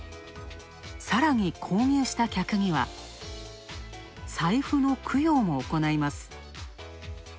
さらに購入した客には、財布の供養も行います。